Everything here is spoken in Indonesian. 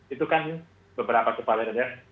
itu kan beberapa kepala daerah